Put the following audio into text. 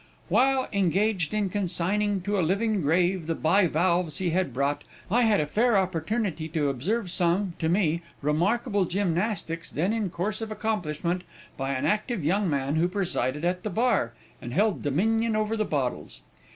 While engaged in consigning to a living grave the bivalves he had brought, I had a fair opportunity to observe some, to me, remarkable gymnastics then in course of accomplishment by an active young man who presided at the bar, and held dominion over the bottles.